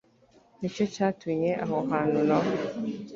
ni cyo cyatumye aho hantu na ho